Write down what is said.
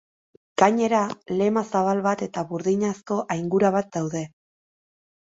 Gainera, lema zabal bat eta burdinazko aingura bat daude.